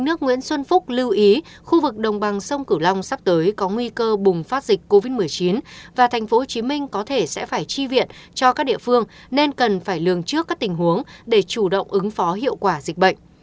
thủ tướng nguyễn xuân phúc lưu ý khu vực đồng bằng sông cửu long sắp tới có nguy cơ bùng phát dịch covid một mươi chín và tp hcm có thể sẽ phải chi viện cho các địa phương nên cần phải lường trước các tình huống để chủ động ứng phó hiệu quả dịch bệnh